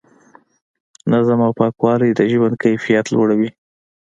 نظم او پاکوالی د ژوند کیفیت لوړوي.